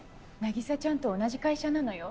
凪沙ちゃんと同じ会社なのよ。